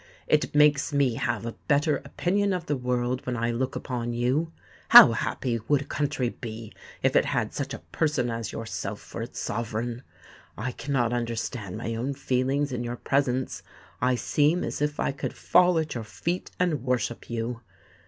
It makes me have a better opinion of the world when I look upon you. How happy would a country be if it had such a person as yourself for its sovereign! I cannot understand my own feelings in your presence: I seem as if I could fall at your feet and worship you.